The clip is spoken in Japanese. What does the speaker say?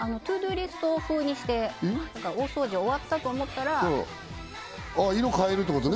リスト風にして大掃除終わったと思ったら色変えるってことね